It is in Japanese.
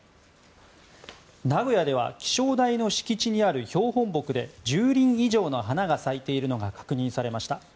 名古屋では気象台の敷地にある標本木で１０輪以上の花が咲いているのが確認されました。